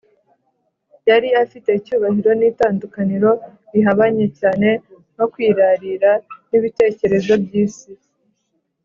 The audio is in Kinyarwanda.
Yari afite icyubahiro n’itandukaniro bihabanye cyane no kwirarira n’ibitekerezo by’isi